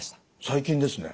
最近ですね。